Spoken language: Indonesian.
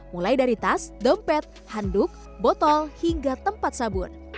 mulai dari tas dompet handuk botol hingga tempat sabun